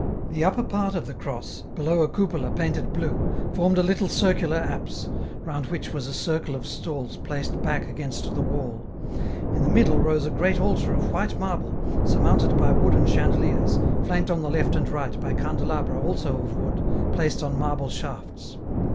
The upper part of the cross, below a cupola painted blue, formed a little circular apse, round which was a circle of stalls placed back against the wall ; in the middle rose a great altar of white marble, surmounted by wooden chandeliers, flanked on the left and right by candelabra also of wood, placed on marble shafts.